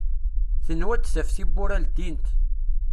Tenwa ad d-taf tiwwura ldint.